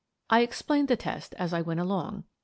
I explained the test as I went along.